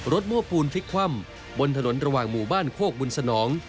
โม้ปูนพลิกคว่ำบนถนนระหว่างหมู่บ้านโคกบุญสนอง